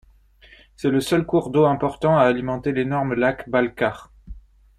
C'est le seul cours d'eau important à alimenter l'énorme lac Balkhach.